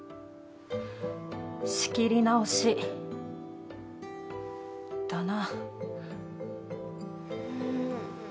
仕切り直しだな。